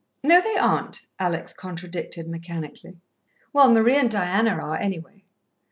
"No, they aren't," Alex contradicted mechanically. "Well, Marie and Diana are, anyway."